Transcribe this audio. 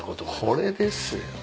これですよ。